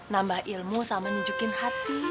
nambah ilmu sama nunjukin hati